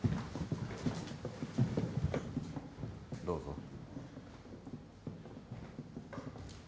どうぞ。